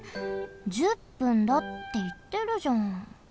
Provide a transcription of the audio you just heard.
１０分だっていってるじゃん。